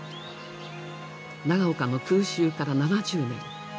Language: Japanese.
長岡の空襲から７０年。